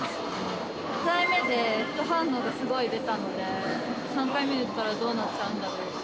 ２回目で副反応がすごい出たので、３回目打ったらどうなっちゃうんだろう。